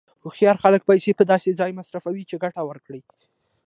هوښیار خلک پیسې په داسې ځای مصرفوي چې ګټه ورکړي.